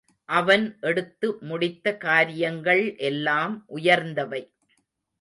அவன் எடுத்து முடித்த காரியங்கள் எல்லாம் உயர்ந்தவை.